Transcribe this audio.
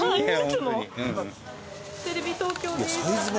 テレビ東京です。